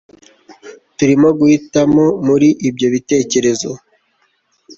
Turimo guhitamo muri ibyo bitekerezo